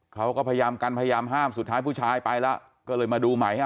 เขาก็พยายามกันพยายามห้ามสุดท้ายผู้ชายไปแล้วก็เลยมาดูใหม่